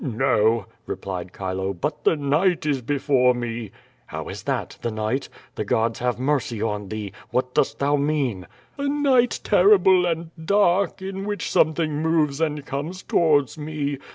'' "No/^ replied Chilo, "but the night is before me." "How is that? The night? Tlie gods have mercy on thee! what dost thou moan?" "A night terrible and dark, in wliich something moves and comes towards me.